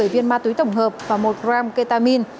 hai một mươi viên ma túy tổng hợp và một gram ketamine